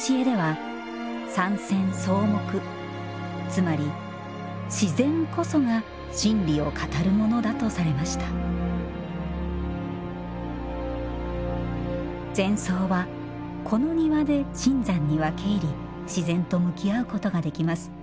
つまり自然こそが真理を語るものだとされました禅僧はこの庭で深山に分け入り自然と向き合うことができます。